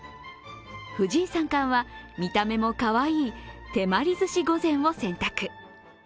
藤井三冠は、見た目もかわいい手鞠寿し御膳を選択。